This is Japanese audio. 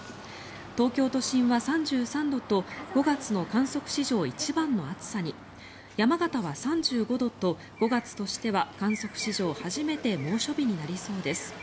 東京都心は３３度と５月の観測史上一番の暑さに山形は３５度と５月としては観測史上初めて猛暑日になりそうです。